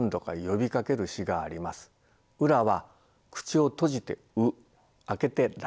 「うら」は口を閉じて「う」開けて「ら」。